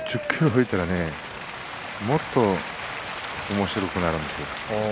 １０ｋｇ増えたらもっとおもしろくなるんですよ。